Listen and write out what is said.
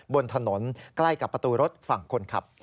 บนถนนใกล้กับประตูรถฝั่งคนขับ